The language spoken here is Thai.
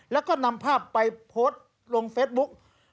แล้วก็นำภาพไปโพสต์ลงเฟซบุ๊ก